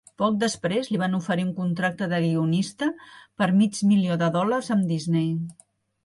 Poc després, li van oferir un contracte de guionista per mig milió de dòlars amb Disney.